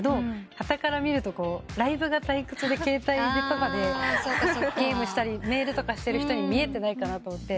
はたから見るとライブが退屈で携帯でゲームしたりメールとかしてる人に見えてないかなと思って。